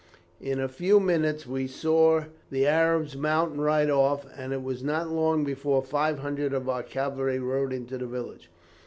"In a few minutes we saw the Arabs mount and ride off, and it was not long before five hundred of our cavalry rode into the village.